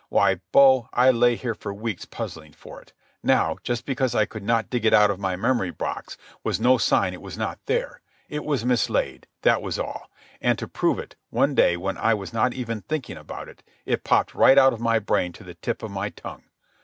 Why, bo, I lay here for weeks puzzling for it. Now, just because I could not dig it out of my memory box was no sign it was not there. It was mislaid, that was all. And to prove it, one day, when I was not even thinking about it, it popped right out of my brain to the tip of my tongue.